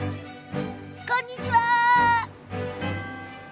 こんにちは！